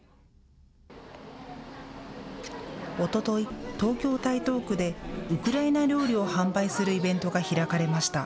おととい、東京・台東区でウクライナ料理を販売するイベントが開かれました。